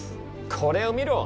これを見ろ！